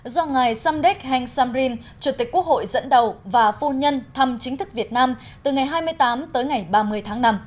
do ngài samdek heng samrin chủ tịch quốc hội dẫn đầu và phu nhân thăm chính thức việt nam từ ngày hai mươi tám tới ngày ba mươi tháng năm